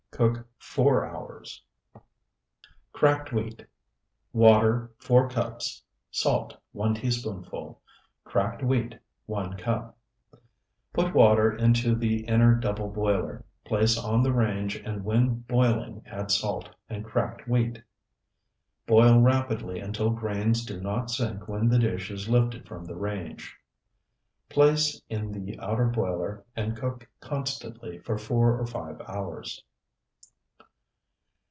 Cook four hours. CRACKED WHEAT Water, 4 cups. Salt, 1 teaspoonful. Cracked wheat, 1 cup. Put water into the inner double boiler, place on the range, and when boiling add salt and cracked wheat. Boil rapidly until grains do not sink when the dish is lifted from the range. Place in the outer boiler and cook constantly for four or five hours.